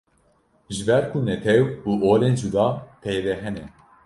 Ji ber ku netew û olên cuda tê de hene.